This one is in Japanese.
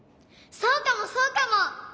そうかもそうかも！